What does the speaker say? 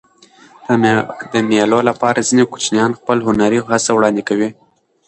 د مېلو له پاره ځيني کوچنيان خپله هنري هڅه وړاندي کوي.